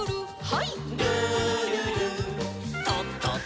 はい。